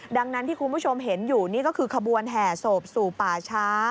ดังนั้นที่คุณผู้ชมเห็นอยู่นี่ก็คือขบวนแห่ศพสู่ป่าช้า